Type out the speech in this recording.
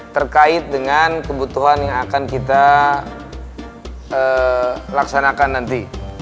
terkait dengan kebutuhan yang akan kita laksanakan nanti